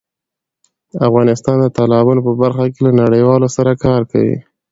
افغانستان د تالابونو په برخه کې له نړیوالو سره کار کوي.